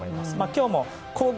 今日も、攻撃